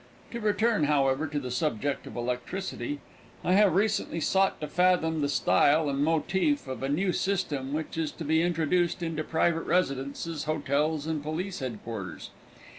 To return, however, to the subject of electricity. I have recently sought to fathom the style and motif of a new system which is to be introduced into private residences, hotels, and police headquarters.